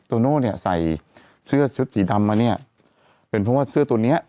โน่เนี่ยใส่เสื้อชุดสีดำมาเนี่ยเป็นเพราะว่าเสื้อตัวเนี้ย